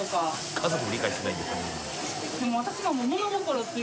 家族も理解してないんだ。